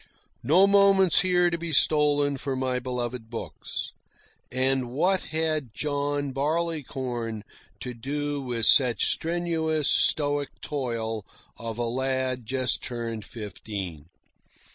No moments here to be stolen for my beloved books. And what had John Barleycorn to do with such strenuous, Stoic toil of a lad just turned fifteen?